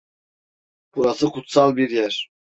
Burası kutsal bir yer.